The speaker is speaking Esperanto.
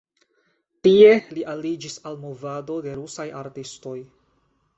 Tie li aliĝis al movado de rusaj artistoj.